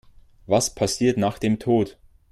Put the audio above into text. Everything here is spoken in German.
Was passiert nach dem Tod?